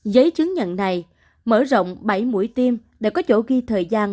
giấy chứng nhận này mở rộng bảy mũi tiêm để có chỗ ghi thời gian